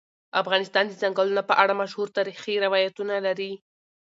افغانستان د ځنګلونه په اړه مشهور تاریخی روایتونه لري.